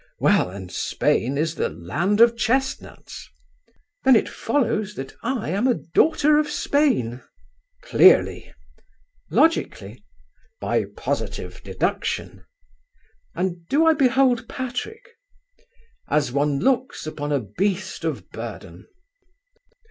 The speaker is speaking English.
"Well, and Spain is the land of chestnuts." "Then it follows that I am a daughter of Spain." "Clearly." "Logically?" "By positive deduction." "And do I behold Patrick?" "As one looks upon a beast of burden."